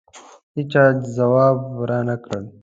هېچا ځواب رانه کړ.